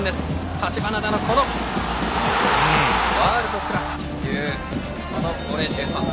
橘田のワールドクラスだというこのボレーシュート。